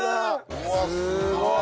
うわあすごい！